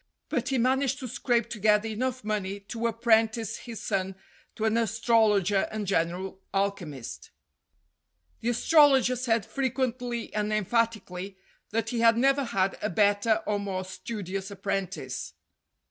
But he managed to scrape together enough money to ap prentice his son to an astrologer and general alchemist. The astrologer said frequently and emphatically that 313 3H STORIES WITHOUT TEARS he had never had a better or more studious apprentice.